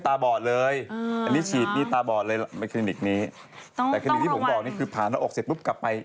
แต่คณิตที่ผมบอกนี่คือผ่านหน้าอกเสร็จปุ๊บกลับไป